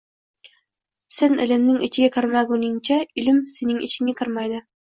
Sen ilmning ichiga kirmaguningcha ilm sening ichingga kirmaydi.